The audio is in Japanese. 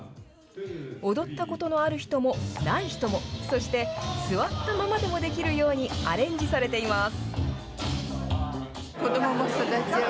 踊ったことのある人もない人も、そして座ったままでもできるようにアレンジされています。